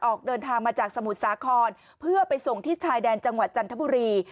ออกมามาจากสมุทรสาครเพื่อไปส่งที่ชายแดนจังหวัดจันทบุรี